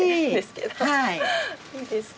いいですか？